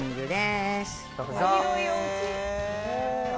どうぞ。